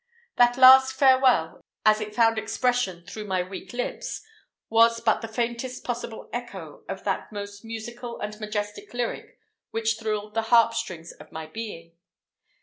That last "Farewell," as it found expression through my weak lips, was but the faintest possible echo of that most musical and majestic lyric which thrilled the harp strings of my being.